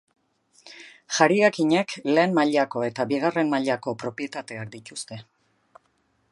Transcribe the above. Jariakinek lehen mailako eta bigarren mailako propietateak dituzte.